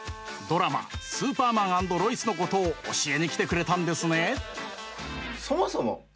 ドラマ「スーパーマン＆ロイス」のことを教えに来てくれたんですね。